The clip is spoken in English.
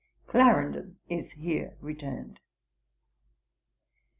'Clarendon is here returned.'